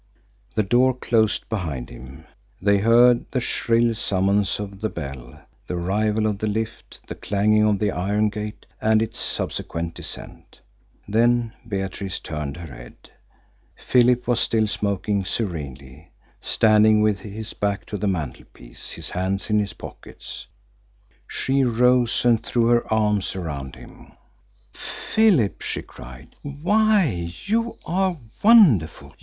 The door closed behind him. They heard the shrill summons of the bell, the arrival of the lift, the clanging of the iron gate, and its subsequent descent. Then Beatrice turned her head. Philip was still smoking serenely, standing with his back to the mantelpiece, his hands in his pockets. She rose and threw her arms around him. "Philip!" she cried. "Why, you are wonderful!